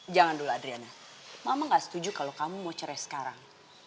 jangan dulu adriana mama gak setuju kalau kamu mau cerai sekarang